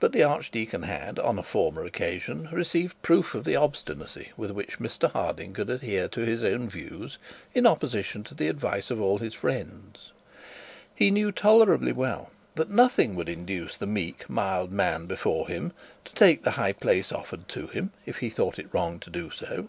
But the archdeacon had, on a former occasion, received proof of the obstinacy with which Mr Harding could adhere to his own views in opposition to the advice of all his friends. He knew tolerably well that nothing would induce the meek, mild man before him to take the high place offered to him, if he thought it wrong to do so.